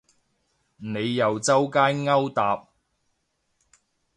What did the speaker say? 你又周街勾搭